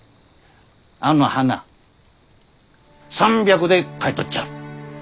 あの花３００で買い取っちゃる！